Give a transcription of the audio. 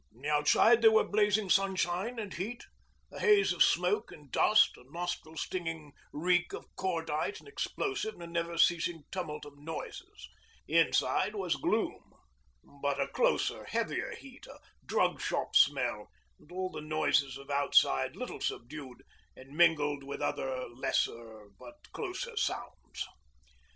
Outside there were blazing sunshine and heat, a haze of smoke and dust, a nostril stinging reek of cordite and explosive, and a never ceasing tumult of noises. Inside was gloom, but a closer, heavier heat, a drug shop smell, and all the noises of outside, little subdued, and mingled with other lesser but closer sounds.